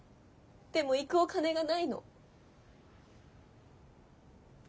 でも行くお金がないの。